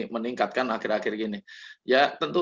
meningkatkan akhir akhir gini ya tentu